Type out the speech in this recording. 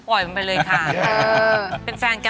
เผื่อมันไปเลยค่ะ